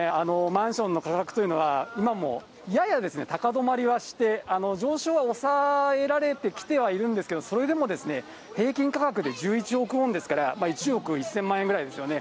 マンションの価格というのは、今もややですね、高止まりはして、上昇は抑えられてはきているんですけれども、それでも平均価格で１１億ウォンですから、１億１０００万円ぐらいですよね。